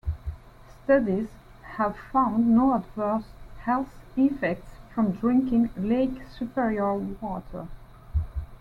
Studies have found no adverse health effects from drinking Lake Superior water.